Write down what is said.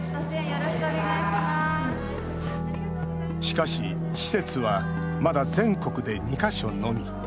しかし、施設はまだ全国で２か所のみ。